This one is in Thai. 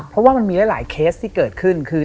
เพราะว่ามันมีหลายเคสที่เกิดขึ้นคือ